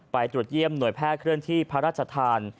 ไปตรวจเยี่ยมหน่วยแพทย์เคลื่อนที่พระราชทาน